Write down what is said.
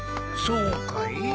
そうかい？